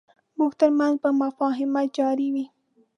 زموږ ترمنځ به مفاهمه جاري وي.